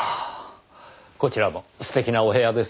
こちらも素敵なお部屋ですね。